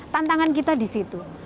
tantangan kita di situ